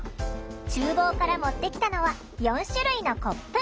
ちゅう房から持ってきたのは４種類のコップ。